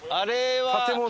建物？